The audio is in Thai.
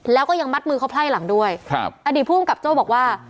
แล้วก็ยังมัดมือเขาไพร่หลังด้วยครับอดีตผู้กำกับโจ้บอกว่า